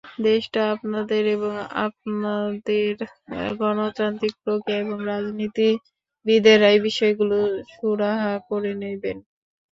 দেশটা আপনাদের এবং আপনাদের গণতান্ত্রিক প্রক্রিয়া এবং রাজনীতিবিদেরাই বিষয়গুলোর সুরাহা করে নেবেন।